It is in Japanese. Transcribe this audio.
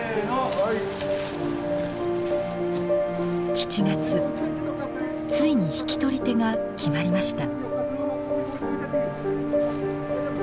７月ついに引き取り手が決まりました。